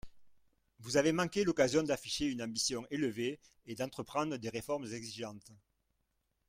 Vous avez manqué l’occasion d’afficher une ambition élevée et d’entreprendre des réformes exigeantes.